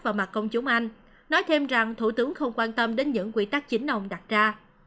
vào mặt công chúng anh nói thêm rằng thủ tướng không quan tâm đến những quy tắc chính ông đặt ra